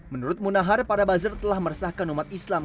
menurut munahar para buzzer telah meresahkan umat islam